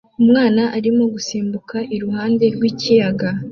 Umwana arimo gusimbuka iruhande rw'ikiyaga